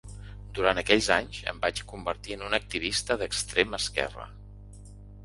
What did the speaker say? Durant aquells anys em vaig convertir en un activista d’extrema esquerra.